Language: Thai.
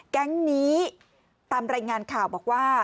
แก๊งนี้ตามรายงานข่าวบอกว่า